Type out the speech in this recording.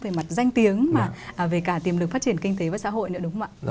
về mặt danh tiếng mà về cả tiềm lực phát triển kinh tế và xã hội nữa đúng không ạ